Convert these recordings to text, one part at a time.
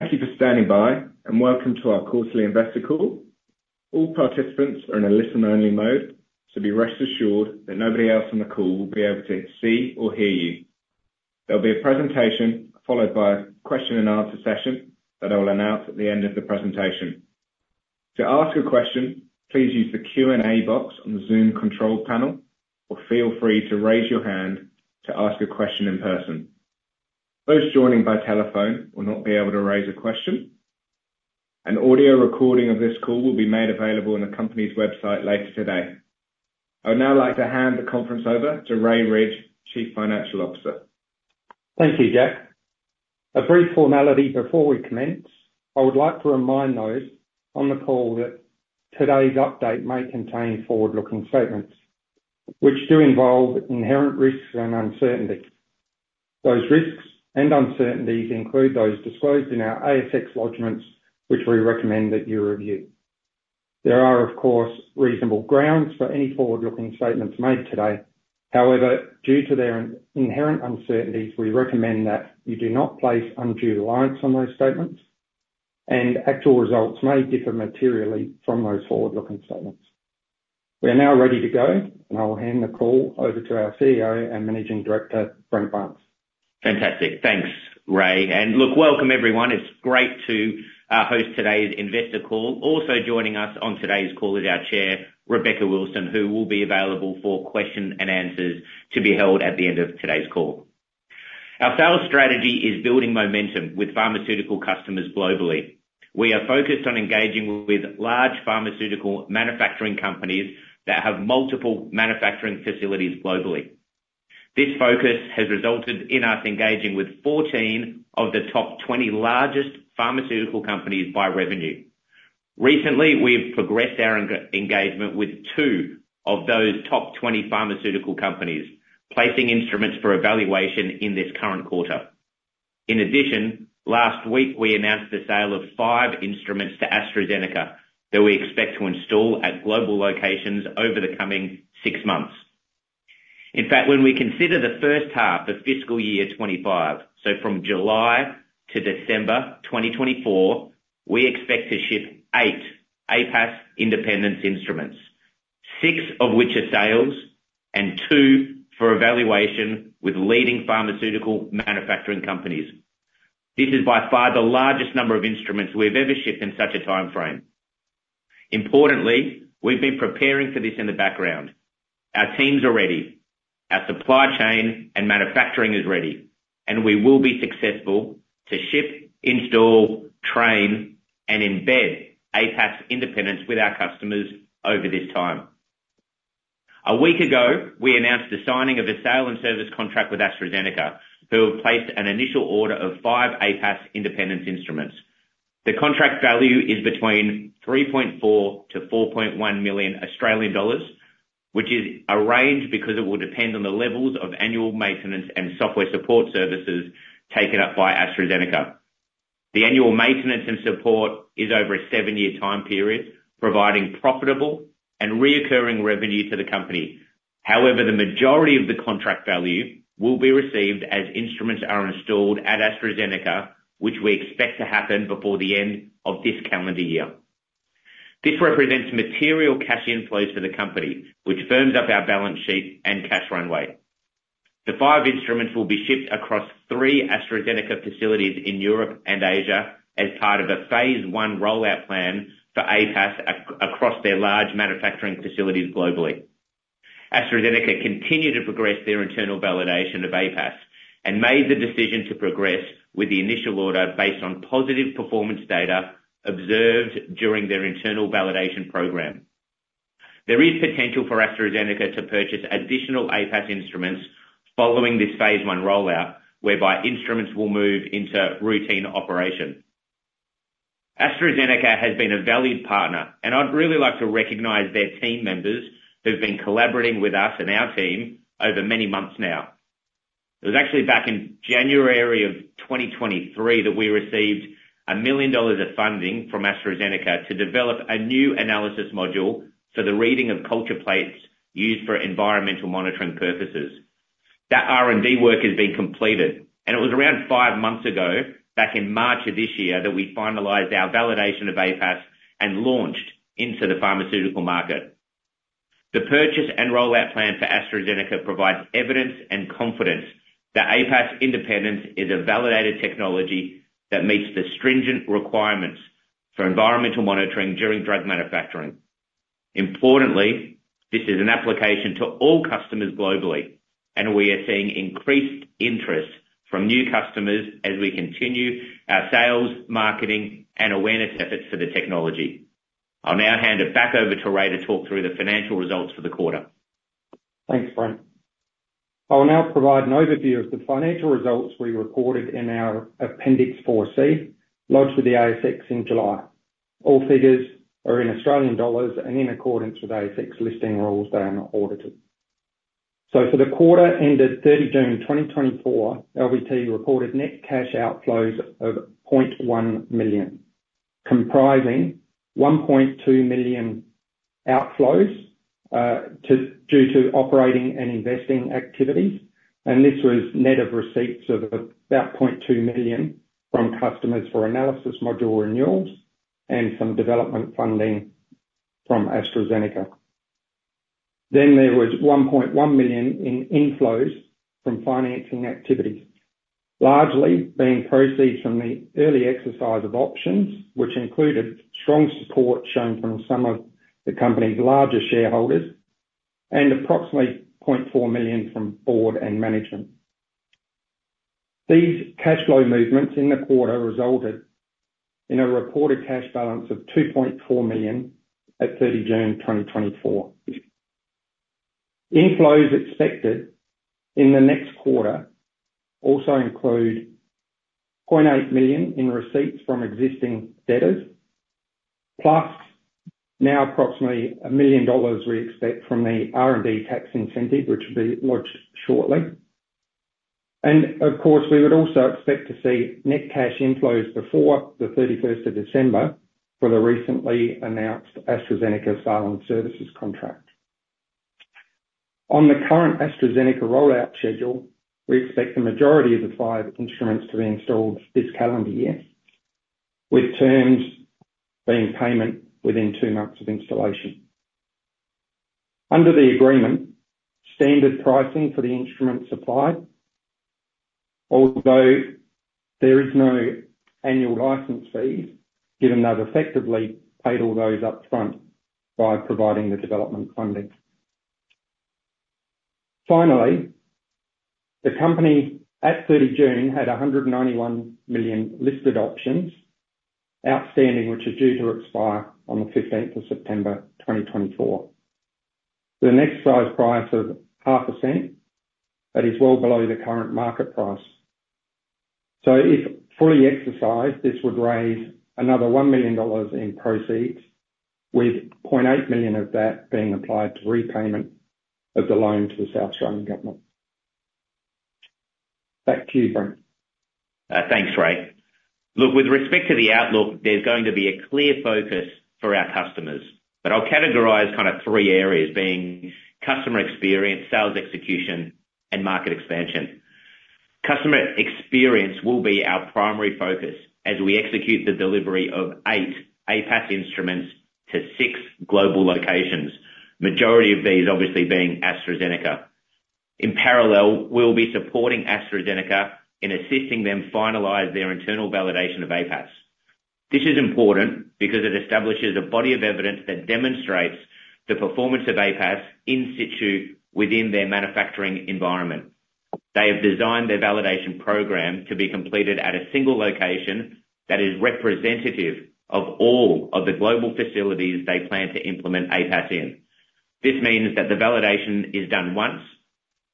Thank you for standing by, and welcome to our Quarterly Investor Call. All participants are in a listen-only mode, so be rest assured that nobody else on the call will be able to see or hear you. There'll be a presentation followed by a question-and-answer session that I will announce at the end of the presentation. To ask a question, please use the Q&A box on the Zoom control panel, or feel free to raise your hand to ask a question in person. Those joining by telephone will not be able to raise a question. An audio recording of this call will be made available on the company's website later today. I would now like to hand the conference over to Ray Ridge, Chief Financial Officer. Thank you, Jack. A brief formality before we commence, I would like to remind those on the call that today's update may contain forward-looking statements, which do involve inherent risks and uncertainty. Those risks and uncertainties include those disclosed in our ASX lodgements, which we recommend that you review. There are, of course, reasonable grounds for any forward-looking statements made today. However, due to their inherent uncertainties, we recommend that you do not place undue reliance on those statements, and actual results may differ materially from those forward-looking statements. We are now ready to go, and I will hand the call over to our CEO and Managing Director, Brent Barnes. Fantastic. Thanks, Ray. And look, welcome, everyone. It's great to host today's Investor Call. Also joining us on today's call is our Chair, Rebecca Wilson, who will be available for questions and answers to be held at the end of today's call. Our sales strategy is building momentum with pharmaceutical customers globally. We are focused on engaging with large pharmaceutical manufacturing companies that have multiple manufacturing facilities globally. This focus has resulted in us engaging with 14 of the top 20 largest pharmaceutical companies by revenue. Recently, we have progressed our engagement with two of those top 20 pharmaceutical companies, placing instruments for evaluation in this current quarter. In addition, last week, we announced the sale of five instruments to AstraZeneca that we expect to install at global locations over the coming six months. In fact, when we consider the first half of fiscal year 2025, so from July to December 2024, we expect to ship eight APAS Independence instruments, six of which are sales and two for evaluation with leading pharmaceutical manufacturing companies. This is by far the largest number of instruments we've ever shipped in such a timeframe. Importantly, we've been preparing for this in the background. Our teams are ready. Our supply chain and manufacturing is ready, and we will be successful to ship, install, train, and embed APAS Independence with our customers over this time. A week ago, we announced the signing of a sale and service contract with AstraZeneca, who have placed an initial order of five APAS Independence instruments. The contract value is between 3.4 million to 4.1 million Australian dollars, which is a range because it will depend on the levels of annual maintenance and software support services taken up by AstraZeneca. The annual maintenance and support is over a seven-year time period, providing profitable and recurring revenue to the company. However, the majority of the contract value will be received as instruments are installed at AstraZeneca, which we expect to happen before the end of this calendar year. This represents material cash inflows for the company, which firms up our balance sheet and cash runway. The five instruments will be shipped across three AstraZeneca facilities in Europe and Asia as part of a phase one rollout plan for APAS across their large manufacturing facilities globally. AstraZeneca continued to progress their internal validation of APAS and made the decision to progress with the initial order based on positive performance data observed during their internal validation program. There is potential for AstraZeneca to purchase additional APAS instruments following this phase one rollout, whereby instruments will move into routine operation. AstraZeneca has been a valued partner, and I'd really like to recognize their team members who've been collaborating with us and our team over many months now. It was actually back in January of 2023 that we received 1 million dollars of funding from AstraZeneca to develop a new analysis module for the reading of culture plates used for environmental monitoring purposes. That R&D work has been completed, and it was around five months ago, back in March of this year, that we finalized our validation of APAS and launched into the pharmaceutical market. The purchase and rollout plan for AstraZeneca provides evidence and confidence that APAS Independence is a validated technology that meets the stringent requirements for environmental monitoring during drug manufacturing. Importantly, this is an application to all customers globally, and we are seeing increased interest from new customers as we continue our sales, marketing, and awareness efforts for the technology. I'll now hand it back over to Ray to talk through the financial results for the quarter. Thanks, Brent. I will now provide an overview of the financial results we recorded in our Appendix 4C, lodged with the ASX in July. All figures are in Australian dollars and in accordance with ASX Listing Rules. They are not audited. For the quarter ended 30 June 2024, LBT reported net cash outflows of 0.1 million, comprising 1.2 million outflows due to operating and investing activities. This was net of receipts of about 0.2 million from customers for analysis module renewals and some development funding from AstraZeneca. There was 1.1 million in inflows from financing activities, largely being proceeds from the early exercise of options, which included strong support shown from some of the company's larger shareholders, and approximately 0.4 million from Board and Management. These cash flow movements in the quarter resulted in a reported cash balance of 2.4 million at 30 June 2024. Inflows expected in the next quarter also include 0.8 million in receipts from existing debtors, plus now approximately 1 million dollars we expect from the R&D Tax Incentive, which will be lodged shortly. And of course, we would also expect to see net cash inflows before the 31st of December for the recently announced AstraZeneca supply services contract. On the current AstraZeneca rollout schedule, we expect the majority of the five instruments to be installed this calendar year, with terms being payment within two months of installation. Under the agreement, standard pricing for the instruments supplied, although there is no annual license fees, given they've effectively paid all those upfront by providing the development funding. Finally, the company at 30 June had 191 million listed options outstanding, which is due to expire on the 15th of September 2024, the exercise price of AUD 0.005. That is well below the current market price. So if fully exercised, this would raise another 1 million dollars in proceeds, with 0.8 million of that being applied to repayment of the loan to the South Australian Government. Back to you, Brent. Thanks, Ray. Look, with respect to the outlook, there's going to be a clear focus for our customers, but I'll categorize kind of three areas being customer experience, sales execution, and market expansion. Customer experience will be our primary focus as we execute the delivery of eight APAS instruments to six global locations, majority of these obviously being AstraZeneca. In parallel, we'll be supporting AstraZeneca in assisting them finalize their internal validation of APAS. This is important because it establishes a body of evidence that demonstrates the performance of APAS in situ within their manufacturing environment. They have designed their validation program to be completed at a single location that is representative of all of the global facilities they plan to implement APAS in. This means that the validation is done once,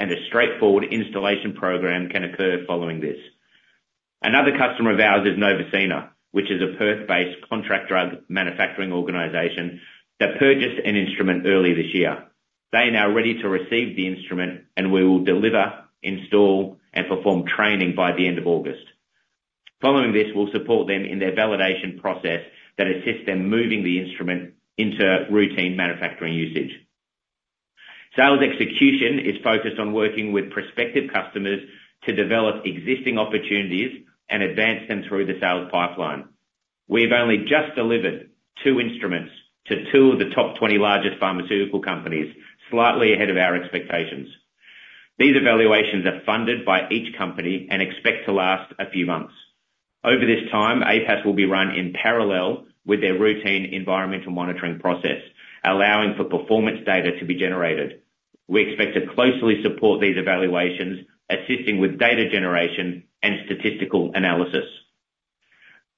and a straightforward installation program can occur following this. Another customer of ours is NovaCina, which is a Perth-based contract drug manufacturing organization that purchased an instrument early this year. They are now ready to receive the instrument, and we will deliver, install, and perform training by the end of August. Following this, we'll support them in their validation process that assists them moving the instrument into routine manufacturing usage. Sales execution is focused on working with prospective customers to develop existing opportunities and advance them through the sales pipeline. We've only just delivered two instruments to two of the top 20 largest pharmaceutical companies, slightly ahead of our expectations. These evaluations are funded by each company and expect to last a few months. Over this time, APAS will be run in parallel with their routine environmental monitoring process, allowing for performance data to be generated. We expect to closely support these evaluations, assisting with data generation and statistical analysis.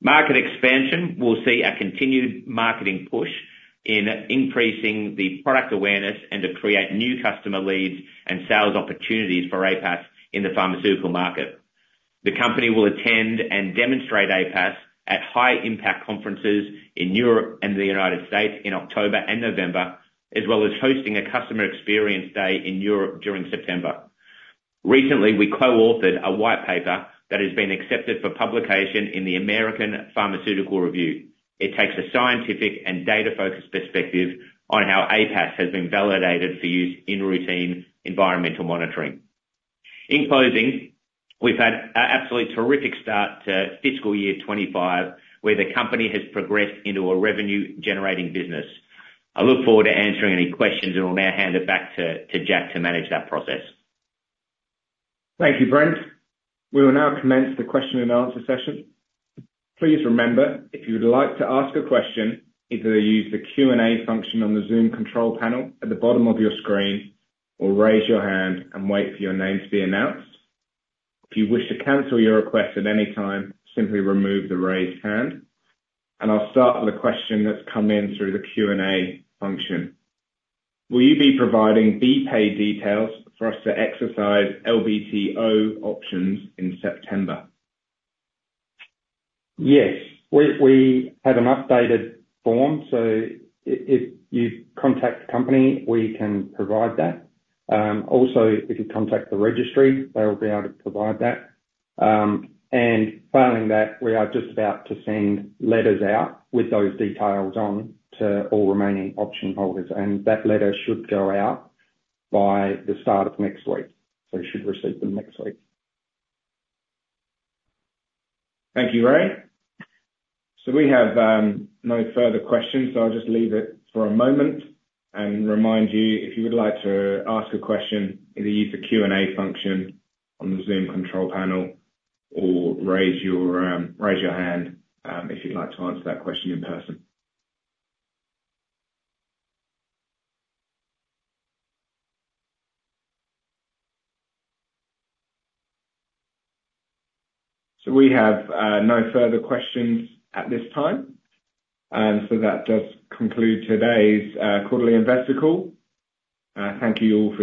Market expansion will see a continued marketing push in increasing the product awareness and to create new customer leads and sales opportunities for APAS in the pharmaceutical market. The company will attend and demonstrate APAS at high-impact conferences in Europe and the United States in October and November, as well as hosting a customer experience day in Europe during September. Recently, we co-authored a white paper that has been accepted for publication in the American Pharmaceutical Review. It takes a scientific and data-focused perspective on how APAS has been validated for use in routine environmental monitoring. In closing, we've had an absolutely terrific start to fiscal year 2025, where the company has progressed into a revenue-generating business. I look forward to answering any questions, and I'll now hand it back to Jack to manage that process. Thank you, Brent. We will now commence the question and answer session. Please remember, if you'd like to ask a question, either use the Q&A function on the Zoom control panel at the bottom of your screen, or raise your hand and wait for your name to be announced. If you wish to cancel your request at any time, simply remove the raised hand. And I'll start with a question that's come in through the Q&A function. Will you be providing BPAY details for us to exercise LBTO options in September? Yes. We have an updated form, so if you contact the company, we can provide that. Also, if you contact the registry, they'll be able to provide that. And following that, we are just about to send letters out with those details on to all remaining option holders, and that letter should go out by the start of next week. So you should receive them next week. Thank you, Ray. So we have no further questions, so I'll just leave it for a moment and remind you, if you would like to ask a question, either use the Q&A function on the Zoom control panel or raise your hand if you'd like to answer that question in person. So we have no further questions at this time. And so that does conclude today's quarterly investor call. Thank you all for.